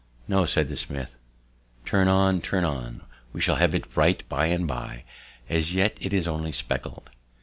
"No," said the smith, "turn on, turn on; we shall have it bright by and by; as yet, it is only speckled."